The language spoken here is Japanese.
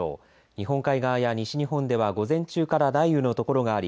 日本海側や西日本では午前中から雷雨のところがあり